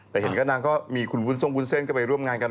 แต่เห็นก็นางก็มีคุณวุ้นส้มวุ้นเส้นก็ไปร่วมงานกัน